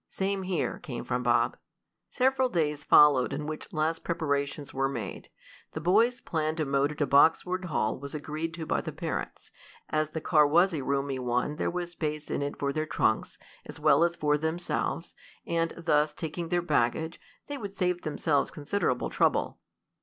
"Same here," came from Bob. Several busy days followed in which last preparations were made. The boys' plan to motor to Boxwood Hall was agreed to by the parents. As the car was a roomy one there was space in it for their trunks, as well as for themselves, and, thus taking their baggage, they would save themselves considerable trouble.